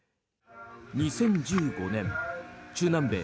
２０１５年中南米